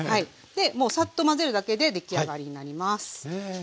もうサッと混ぜるだけで出来上がりになります。